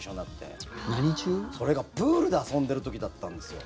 それがプールで遊んでいる時だったんですよ。